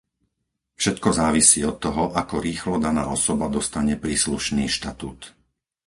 Všetko závisí od toho, ako rýchlo daná osoba dostane príslušný štatút.